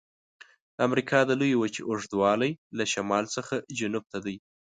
د امریکا د لویې وچې اوږدوالی له شمال څخه جنوب ته دی.